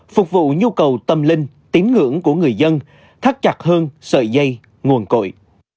phục vụ nhu cầu tâm linh tín ngưỡng của người dân thắt chặt hơn sợi dây nguồn cội